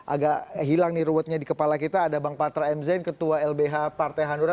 agak hilang nih ruwetnya di kepala kita ada bang patra m zain ketua lbh partai hanura